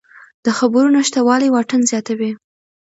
د خبرو نشتوالی واټن زیاتوي